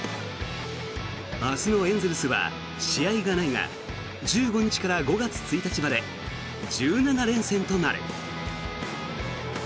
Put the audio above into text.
明日のエンゼルスは試合がないが１５日から５月１日まで１７連戦となる。